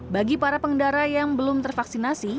bagi para pengendara yang belum tervaksinasi